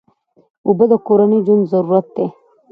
اوبه د کورنۍ ژوند ضرورت دی.